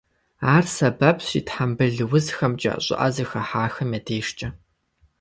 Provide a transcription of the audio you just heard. Ар сэбэпщ зи тхьэмбыл узхэмкӏэ, щӏыӏэ зыхыхьахэм я дежкӏэ.